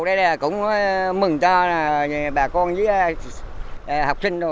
đấy là cũng mừng cho bà con với học sinh